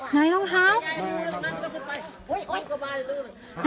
นายลองเท้า